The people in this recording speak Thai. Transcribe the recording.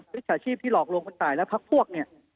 วิชาชีพที่หลอกลงคุณตายและพักพวก